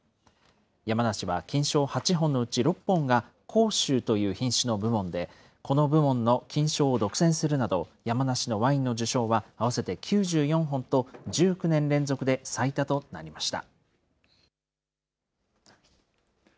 山梨は金賞８本のうち６本が、甲州という品種の部門で、この部門の金賞を独占するなど、山梨のワインの受賞は、合わせて９４本と１９年連続で最多となりました。